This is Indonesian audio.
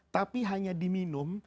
tapi hanya diminum